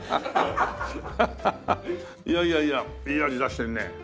いやいやいやいい味出してるね。